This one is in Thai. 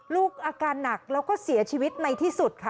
ลูกอาการหนักแล้วก็เสียชีวิตในที่สุดค่ะ